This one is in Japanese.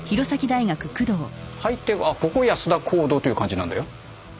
入ってあっここ安田講堂？という感じなんだよ。